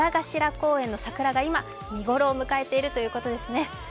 公園の桜が今、見ごろを迎えているということですね。